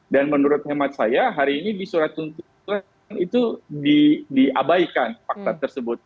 dan menurut hemat saya hari ini di surat tuntutan itu diabaikan fakta tersebut